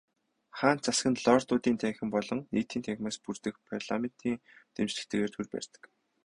Хаант засаг нь Лордуудын танхим болон Нийтийн танхимаас бүрдэх парламентын дэмжлэгтэйгээр төр барьдаг.